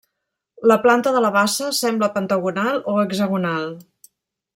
La planta de la bassa sembla pentagonal o hexagonal.